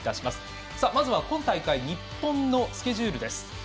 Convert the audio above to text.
まずは今大会日本のスケジュールです。